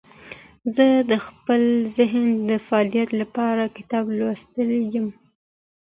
زه د خپل ذهن د فعالیت لپاره کتاب لوستلی یم.